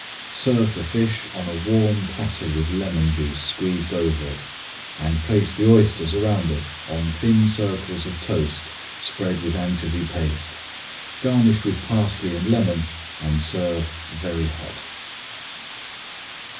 Serve the fish on a warm platter with lemon juice squeezed over it, and place the oysters around it on thin circles of toast spread with anchovy paste. Garnish with parsley and lemon and serve very hot.